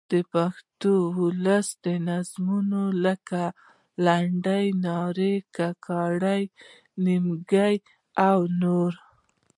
د پښتو اولسي نظمونه؛ لکه: لنډۍ، نارې، کاکړۍ، نیمکۍ او نور.